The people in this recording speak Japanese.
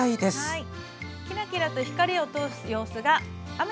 はい。